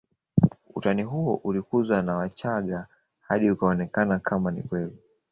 Utani huo ulikuzwa na wachaga hadi ukaonekana kama ni kweli